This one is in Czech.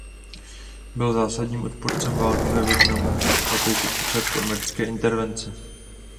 Byl zásadním odpůrcem války ve Vietnamu a to již od počátku americké intervence.